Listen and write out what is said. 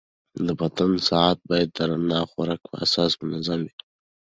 د بدن ساعت باید د رڼا او خوراک په اساس منظم وي.